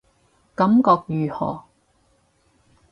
感覺如何